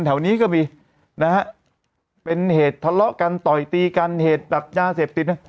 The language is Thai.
แถวนี้ก็มีนะฮะเป็นเหตุทะเลาะกันต่อยตีกันเหตุแบบยาเสพติดนะ